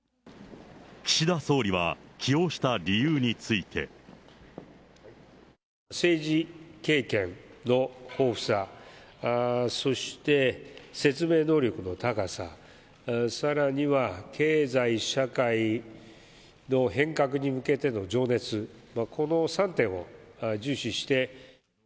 岸田総理は、起用した理由について。政治経験の豊富さ、そして説明能力の高さ、さらには、経済社会の変革に向けての情熱、この３点を重視して。